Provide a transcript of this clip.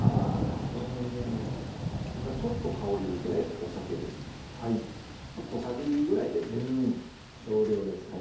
ここで入れるちょっと香りづけでお酒ですはい小さじ２ぐらい入れて少量ですね